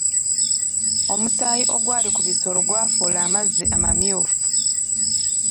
Omusaayi ogwali ku biso gwafuula amazzi amamyufu.